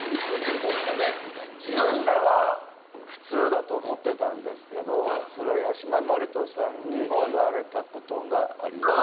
自分では普通だと思ってたんですけどそれは八嶋智人さんに言われたことがあります。